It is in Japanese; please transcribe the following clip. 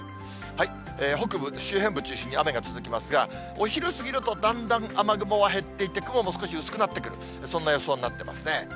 北部、周辺部中心に雨が続きますが、お昼過ぎると、だんだん雨雲は減っていって、雲も少し薄くなってくる、そんな予想になってますね。